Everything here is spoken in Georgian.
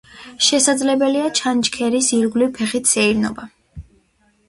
შესაძლებელია ჩანჩქერის ირგვლივ ფეხით სეირნობა.